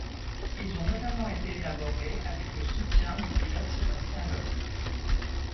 Ils ont notamment été élaborés avec le soutien du pilote Sébastien Loeb.